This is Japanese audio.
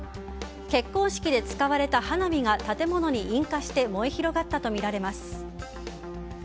結婚式で使われた花火が建物に引火して燃え広がったとみられます。